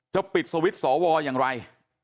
ปิดสวิตช์สวอย่างไร